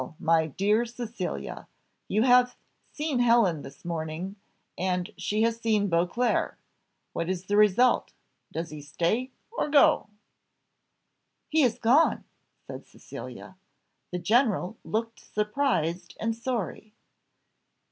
my dear Cecilia, you have seen Helen this morning, and she has seen Beauclerc what is the result? Does he stay, or go?" "He is gone!" said Cecilia. The general looked surprised and sorry.